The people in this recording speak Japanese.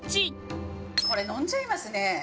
これ飲んじゃいますね。